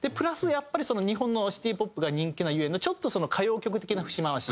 やっぱり日本のシティポップが人気なゆえのちょっと歌謡曲的な節回し。